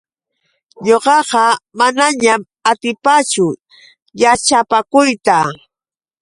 Ñuqaqa manañam atipaachu yaćhapakuyta.